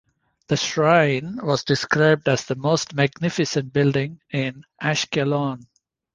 The shrine was described as the most magnificent building in Ashkelon.